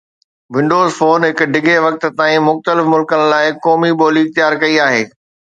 windows phone هڪ ڊگهي وقت تائين مختلف ملڪن لاء قومي ٻولي اختيار ڪئي آهي